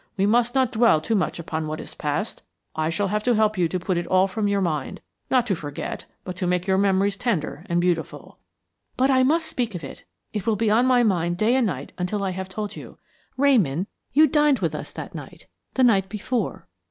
We must not dwell too much upon what is past; I shall have to help you to put it all from your mind not to forget, but to make your memories tender and beautiful." "But I must speak of it. It will be on my mind day and night until I have told you. Ramon, you dined with us that night the night before.